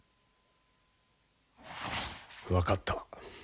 分かった。